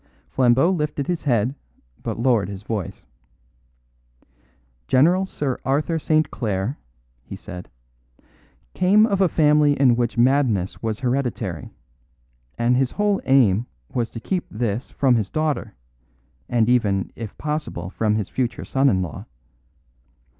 Flambeau lifted his head, but lowered his voice. "General Sir Arthur St. Clare," he said, "came of a family in which madness was hereditary; and his whole aim was to keep this from his daughter, and even, if possible, from his future son in law.